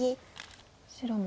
白も。